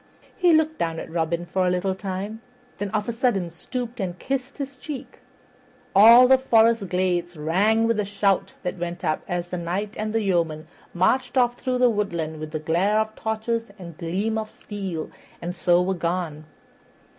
He looked down at Robin for a little time, then of a sudden stooped and kissed his cheek. All the forest glades rang with the shout that went up as the Knight and the yeomen marched off through the woodland with glare of torches and gleam of steel, and so were gone.